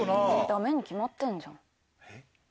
ダメに決まってんじゃん。えっ。